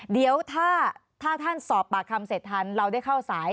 เดี๋ยวถ้าท่านสอบปากคำเสร็จทันเราได้เข้าสาย